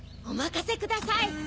おまかせください！